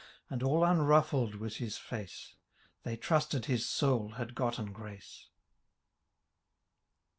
And all unruffled was his face : Thejr trusted his soul had gotten grace.